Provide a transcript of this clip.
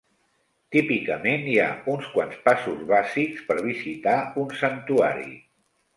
Típicament hi ha uns quants passos bàsics per visitar un santuari.